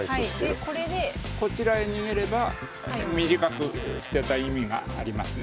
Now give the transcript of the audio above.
こちらへ逃げれば短く捨てた意味がありますね。